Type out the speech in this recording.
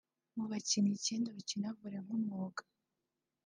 Mu bakinnyi icyenda bakina volley nk’umwuga